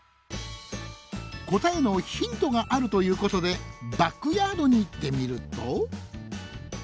答えのヒントがあるということでバックヤードに行ってみると。